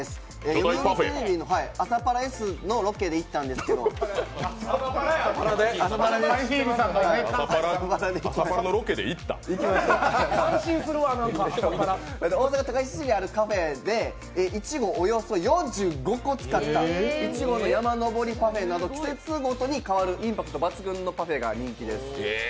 読売テレビの「あさパラＳ」のロケで行ったんですけど、大阪・高石市にあるパフェでいちごおよそ４５個使った苺の山登りパフェなど季節ごとに変わるインパクト抜群のパフェが人気です。